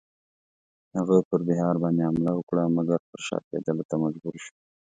هغه پر بیهار باندی حمله وکړه مګر پر شا کېدلو مجبور شو.